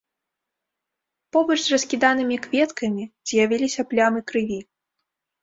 Побач з раскіданымі кветкамі з'явіліся плямы крыві.